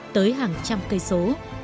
tới hàng trăm cây số